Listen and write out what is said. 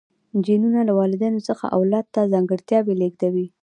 جینونه له والدینو څخه اولاد ته ځانګړتیاوې لیږدوي